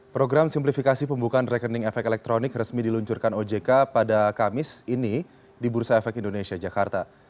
program simplifikasi pembukaan rekening efek elektronik resmi diluncurkan ojk pada kamis ini di bursa efek indonesia jakarta